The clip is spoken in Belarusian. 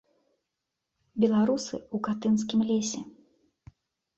Беларусы ў катынскім лесе.